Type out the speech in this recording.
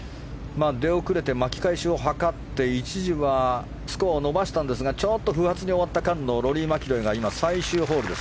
出遅れて、巻き返しを図って一時はスコアを伸ばしたんですがちょっと不発に終わった感のローリー・マキロイが最終ホールです。